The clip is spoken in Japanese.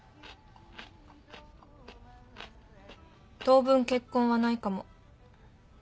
当分結婚はないかも。